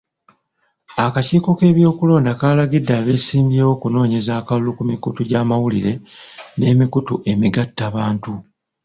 Akakiiko k'ebyokulonda kaalagidde abeesimbyewo okunoonyeza akalulu ku mikutu gy'amawulire n'emikutu emigattabantu..